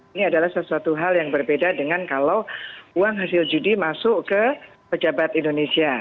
ini adalah sesuatu hal yang berbeda dengan kalau uang hasil judi masuk ke pejabat indonesia